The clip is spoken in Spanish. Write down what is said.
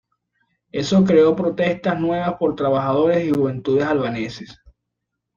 Eso creó protestas nuevas por trabajadores y juventudes albaneses.